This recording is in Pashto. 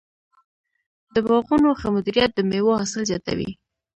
د باغونو ښه مدیریت د مېوو حاصل زیاتوي.